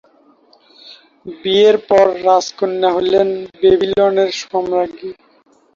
বিয়ের পর রাজকন্যা হলেন ব্যাবিলনের সম্রাজ্ঞী।